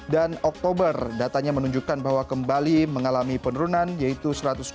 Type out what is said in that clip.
dan oktober datanya menunjukkan bahwa kembali mengalami penurunan yaitu satu ratus dua puluh tujuh